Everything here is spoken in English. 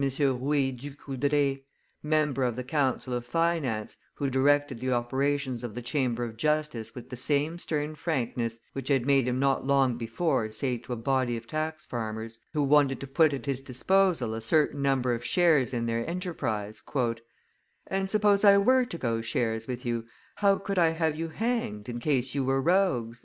Rouille Ducoudray, member of the council of finance, who directed the operations of the Chamber of Justice with the same stern frankness which had made him not long before say to a body of tax farmers (traitants) who wanted to put at his disposal a certain number of shares in their enterprise, "And suppose I were to go shares with you, how could I have you hanged, in case you were rogues?"